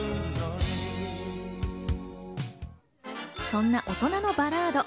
そんな大人のバラード。